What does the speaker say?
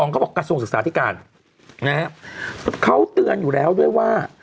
๒ก็บอกกระทรวงศึกษาที่การนะครับเขาเตือนอยู่แล้วด้วยว่า